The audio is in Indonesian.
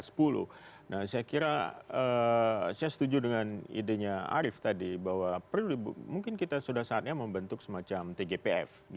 saya kira saya setuju dengan idenya arief tadi bahwa mungkin kita sudah saatnya membentuk semacam tgpf